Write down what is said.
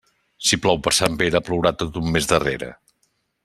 Si plou per Sant Pere, plourà tot un mes darrere.